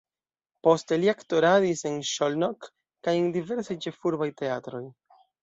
Poste li aktoradis en Szolnok kaj en diversaj ĉefurbaj teatroj.